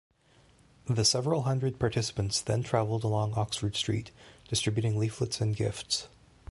The several hundred participants then travelled along Oxford Street, distributing leaflets and gifts.